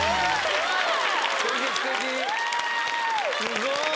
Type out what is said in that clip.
すごい！